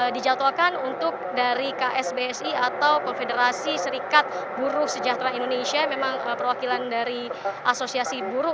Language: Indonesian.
dijadwalkan untuk dari ksbsi atau konfederasi serikat buruh sejahtera indonesia memang perwakilan dari asosiasi buruh